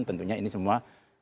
tentunya ini semua